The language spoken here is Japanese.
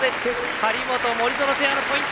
張本、森薗ペアのポイント。